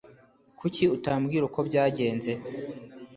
Kuki utabwira uko byagenze?